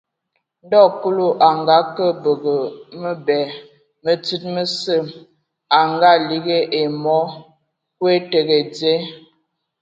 Ndɔ Kulu a ngake bǝgǝ mǝbɛ mǝ tsíd mǝsǝ a ngaligi ai mɔ : nkwe tǝgǝ dzye.